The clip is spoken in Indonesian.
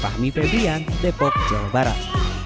fahmi febrian depok jawa barat